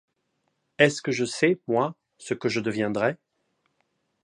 Est-ce que je sais, moi, ce que je deviendrai ?